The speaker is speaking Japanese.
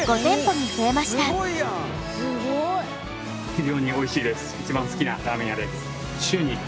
非常においしいです。